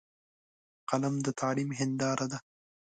قلم د تعلیم هنداره ده